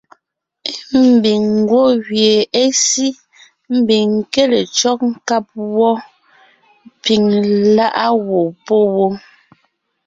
Ḿbiŋ ńgwɔ́ gẅie é sí, ḿbiŋ ńké le cÿɔ́g nkáb wɔ́, piŋ lá’a gwɔ̂ pɔ́ wó.